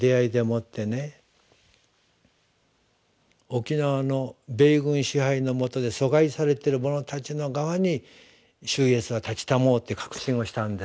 沖縄の米軍支配のもとで疎外されている者たちの側に主イエスは立ちたもうって確信をしたんです。